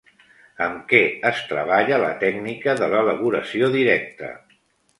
Amb què es treballa la tècnica de l'elaboració directa?